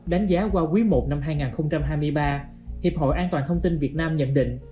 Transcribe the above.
đánh giá qua quý i năm hai nghìn hai mươi ba hiệp hội an toàn thông tin việt nam nhận định